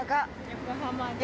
横浜です。